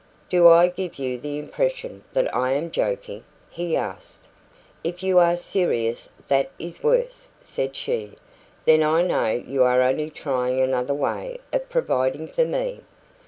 "Do I give you the impression that I am joking?" he asked. "If you are serious, that is worse," said she. "Then I know you are only trying another way of providing for me."